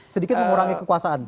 sedikit mengurangi kekuasaan